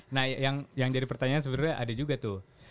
nah yang jadi pertanyaan sebenarnya ada juga tuh